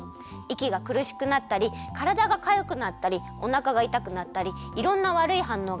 いきがくるしくなったりからだがかゆくなったりおなかがいたくなったりいろんなわるいはんのうがでちゃうんだって。